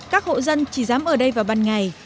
các hộ dân chỉ dám ở đây vào ban ngày